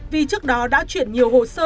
vì trước đó đã chuyển nhiều hồ sơ